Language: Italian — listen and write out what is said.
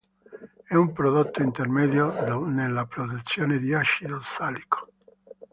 È un prodotto intermedio nella produzione di acido ossalico.